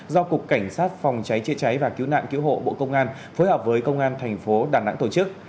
do cục cảnh sát phòng cháy chữa cháy và cứu nạn cứu hộ bộ công an phối hợp với công an thành phố đà nẵng tổ chức